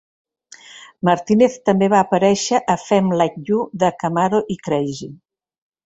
Martínez també va aparèixer a "Femme Like You" de Kmaro i "Crazy".